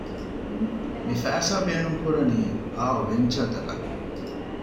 މި ފައިސާ ބޭނުން ކުރަނީ އައު ވެންޗަރތަކަށް